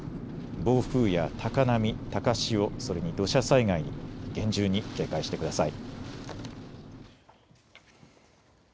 暴風や高波、高潮、それに土砂災害に厳重に警戒してください。